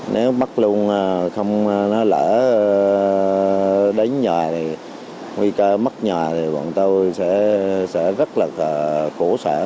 nếu bắt luôn không nó lỡ đến nhà thì nguy cơ mất nhà thì bọn tôi sẽ rất là cổ sản